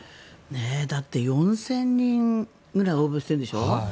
だって、４０００人ぐらい応募してるんでしょ？